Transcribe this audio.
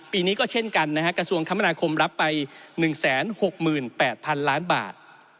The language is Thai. ปีนี้ก็เช่นกันนะฮะกระทรวงคมนาคมรับไป๑๖๘๐๐๐ล้านบาท